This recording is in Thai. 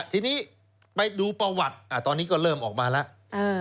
ทีนี้ไปดูประวัติตอนนี้ก็เริ่มออกมาแล้ว